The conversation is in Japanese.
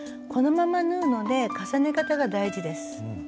このまま縫うので重ね方が大事です。